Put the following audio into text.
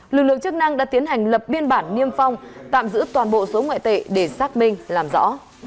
lực lượng chức năng đã tiến hành lập biên bản niêm phong tạm giữ toàn bộ số ngoại tệ để xác minh làm rõ